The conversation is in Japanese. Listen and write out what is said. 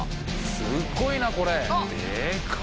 すごいなこれ！